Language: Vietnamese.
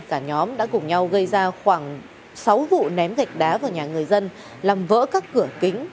cả nhóm đã cùng nhau gây ra khoảng sáu vụ ném gạch đá vào nhà người dân làm vỡ các cửa kính